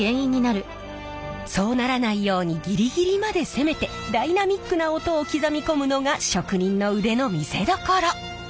そうならないようにギリギリまで攻めてダイナミックな音を刻み込むのが職人の腕の見せどころ。